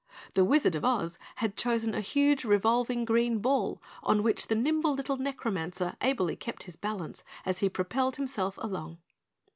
The Wizard of Oz had chosen a huge revolving green ball on which the nimble little necromancer ably kept his balance as he propelled himself along.